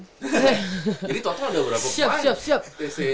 jadi total ada berapa panggung